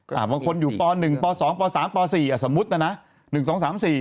บางคนอยู่ป๑ป๒ป๓ป๔สมมุตินะนะ